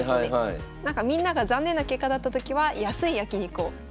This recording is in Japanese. なんかみんなが残念な結果だった時は安い焼き肉を召し上がられる。